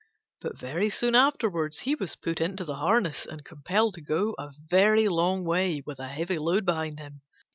But very soon afterwards he was put into the harness and compelled to go a very long way with a heavy load behind him.